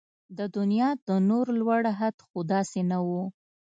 د دنيا د نور لوړ حد خو داسې نه و